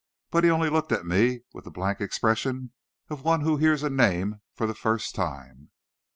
But he only looked at me with the blank expression of one who hears a name for the first time.